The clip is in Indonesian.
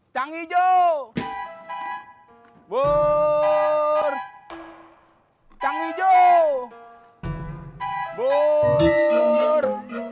kang hijau burr